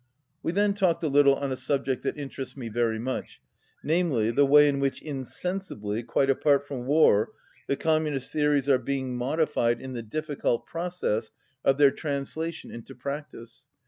We then talked a little on a subject that inter ests me very much, namely, the way in which in sensibly, quite apart from war, the Communist theories are being modified in the difficult process of their translation into practice.